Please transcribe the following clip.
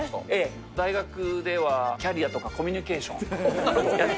大学では、キャリアとかコミュニケーションやってて。